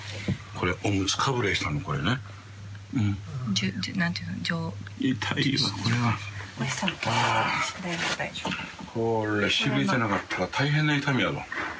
これしびれてなかったら大変な痛みやろ。